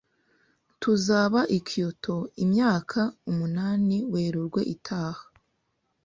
Tuzaba i Kyoto imyaka umunani Werurwe itaha.